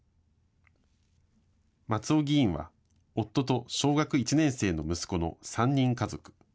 松尾議員は夫と小学１年生の息子の３人家族。